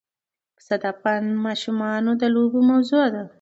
پسه د افغان ماشومانو د لوبو موضوع ده.